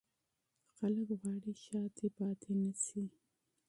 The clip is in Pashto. خلک غواړي شاته پاتې نه شي.